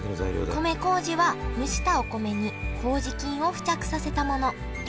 米こうじは蒸したお米にこうじ菌を付着させたもの。